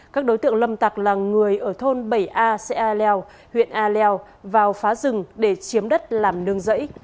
các đối tượng lâm tặc là người ở thôn bảy a xã airleo huyện airleo vào phá rừng để chiếm đất làm nương rẫy